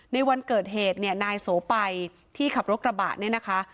ในวันเกิดเหตุเนี่ยนายโสไปที่ขับรถกระบะเนี่ยนะคะ